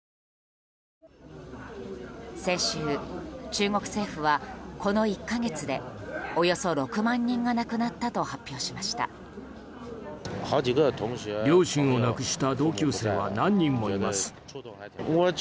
先週、中国政府はこの１か月で、およそ６万人が亡くなったと発表しました。